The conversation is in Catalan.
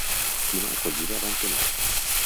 Quina acollida van tenir.